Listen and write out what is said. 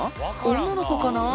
女の子かな？